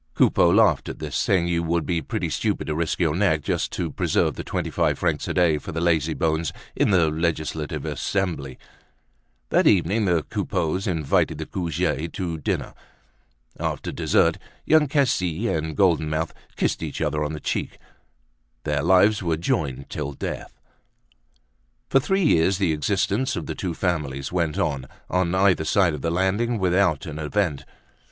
Coupeau laughed at this, saying you would be pretty stupid to risk your neck just to preserve the twenty five francs a day for the lazybones in the Legislative Assembly. That evening the Coupeaus invited the Goujets to dinner. After desert Young Cassis and Golden Mouth kissed each other on the cheek. Their lives were joined till death. For three years the existence of the two families went on, on either side of the landing, without an event.